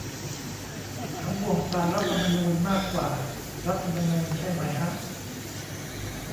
เขาห่วงศาลรัฐธรรมนูญมากกว่ารัฐธรรมนูญใช่ไหมฮะ ?